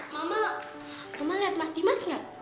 mama mama liat mas dimas gak